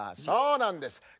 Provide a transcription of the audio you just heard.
そうなんです。